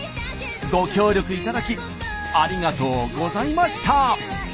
ご協力いただきありがとうございました。